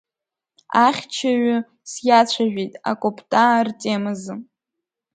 Ахьчаҩы сиацәажәеит акоптаа ртемазы.